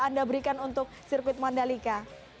anda berikan untuk sirkuit mandalika